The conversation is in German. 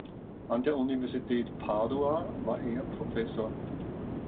An der Universität Padua war er Professor.